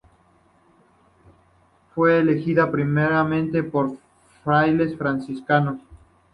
Fue erigida primeramente por frailes franciscanos.